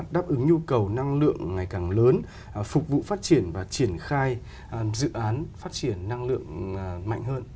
đáp ứng nhu cầu năng lượng ngày càng lớn phục vụ phát triển và triển khai dự án phát triển năng lượng mạnh hơn